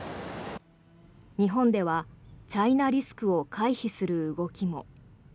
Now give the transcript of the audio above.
日本ではチャイナリスクを回避する動きも。